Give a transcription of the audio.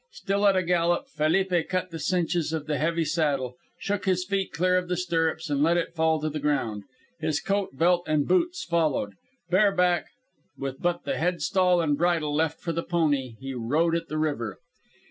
Still at a gallop, Felipe cut the cinches of the heavy saddle, shook his feet clear of the stirrups, and let it fall to the ground; his coat, belt and boots followed. Bareback, with but the headstall and bridle left upon the pony, he rode at the river.